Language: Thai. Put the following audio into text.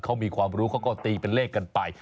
เขามีความรู้เขาก็ตีเป็นเลขกันไป